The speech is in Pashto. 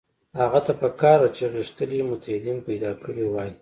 هغه ته په کار وه چې غښتلي متحدین پیدا کړي وای.